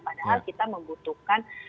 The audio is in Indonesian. padahal kita membutuhkan